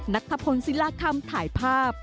นัทพนธ์ซิลาคัมถ่ายภาพ